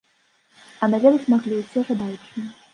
А на ведаць маглі ўсе жадаючыя.